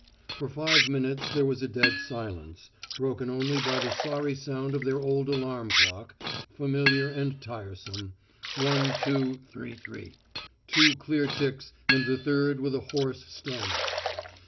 For five minutes there was a dead silence, broken only by the sorry sound of their old alarm clock, familiar and tiresome ... one, two, three three two clear ticks, and the third with a hoarse stammer.